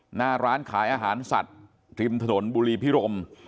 หน้าร้านขายอาหารสัตว์ริมถนนบุรีพิรม